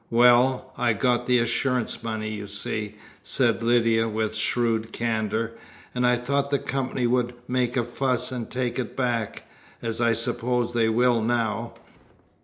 "Well, I'd got the assurance money, you see," said Lydia, with shrewd candour, "and I thought the company would make a fuss and take it back as I suppose they will now.